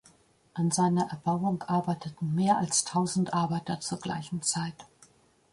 An seiner Erbauung arbeiteten mehr als tausend Arbeiter zur gleichen Zeit.